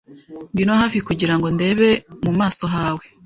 Ngwino hafi kugirango ndebe mu maso hawe.